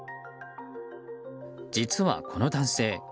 実はこの男性